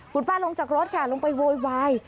คุณป้าลงจากรถค่ะลงไปโวยวาย